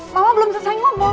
mama belum selesai ngobrol